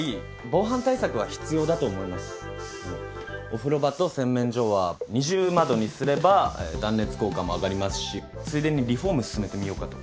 お風呂場と洗面所は２重窓にすればえぇ断熱効果も上がりますしついでにリフォームすすめてみようかと。